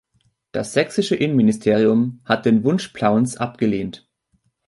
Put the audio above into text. Das sächsische Innenministerium hat den Wunsch Plauens abgelehnt.